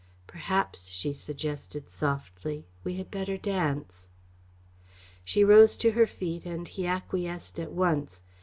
"Perhaps," she suggested softly, "we had better dance." She rose to her feet and he acquiesced at once.